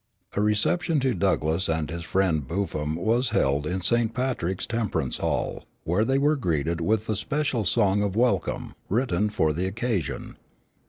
A reception to Douglass and his friend Buffum was held in St. Patricks Temperance Hall, where they were greeted with a special song of welcome, written for the occasion.